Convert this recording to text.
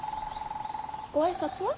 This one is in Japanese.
ご挨拶は？